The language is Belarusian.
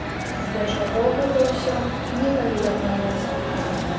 Для чаго гэта ўсё, не паведамлялася.